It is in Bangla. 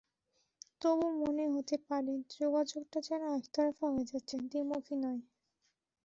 তবু মনে হতে পারে, যোগাযোগটা যেন একতরফা হয়ে যাচ্ছে, দ্বিমুখী নয়।